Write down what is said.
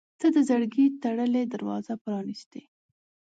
• ته د زړګي تړلې دروازه پرانستې.